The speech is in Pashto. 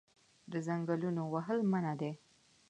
د ځنګلونو وهل منع دي